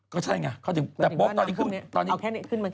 ก็ใช่หล่ะเพราะฉะนั้นนางพลุนี้เอาแค่นี้ขึ้นมาแค่นั้น